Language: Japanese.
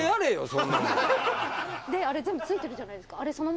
あれ全部ついてるじゃないですか。